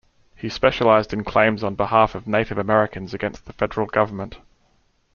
He specialized in claims on behalf of Native Americans against the federal government.